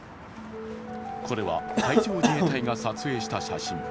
これは海上自衛隊が撮影した写真。